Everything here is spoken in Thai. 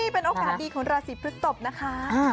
เป็นโอกาสดีของราศีพฤศพนะคะ